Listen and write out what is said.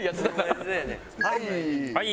はい。